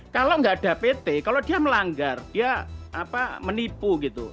kalau nggak ada pt kalau dia melanggar dia menipu gitu